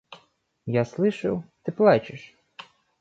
Я слышу… Ты плачешь.